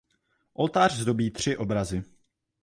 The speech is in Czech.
Oltář zdobí tři obrazy.